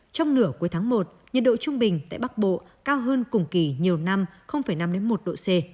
trong nửa cuối tháng một nhiệt độ trung bình tại bắc bộ cao hơn cùng kỳ nhiều năm năm một độ c